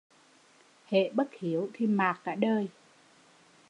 Hễ bất hiếu thì mạt cả đời